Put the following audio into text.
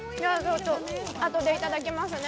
あとでいただきますね。